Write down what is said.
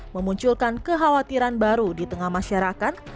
memunculkan kekhawatiran baru di tengah masyarakat